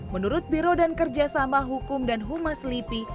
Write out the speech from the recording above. menurut biro dan kerjasama hukum dan humas lipi